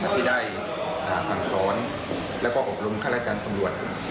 ที่ได้สั่งศรและคุณกำลังได้อุ้งทั้งผมค่าแลกการตำรวจ